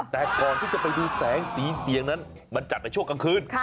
แต่ก่อนที่จะไปดูแสงสีเสียงนั้นมันจัดในช่วงกลางคืน